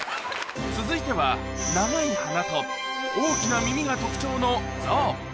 続いては長い鼻と大きな耳が特徴のゾウ。